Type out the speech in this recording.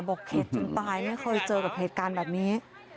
เข็ดจนตายไม่เคยเจอกับเหตุการณ์แบบนี้